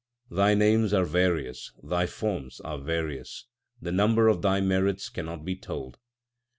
Thy names are various, Thy forms are various, the number of Thy merits cannot be told.